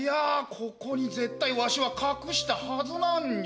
ここに絶対わしは隠したはずなんじゃよ。